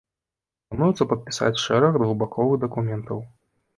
Плануецца падпісаць шэраг двухбаковых дакументаў.